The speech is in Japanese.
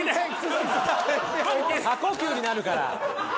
過呼吸になるから。